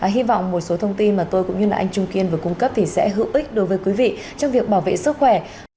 hy vọng một số thông tin mà tôi cũng như là anh trung kiên vừa cung cấp thì sẽ hữu ích đối với quý vị trong việc bảo vệ sức khỏe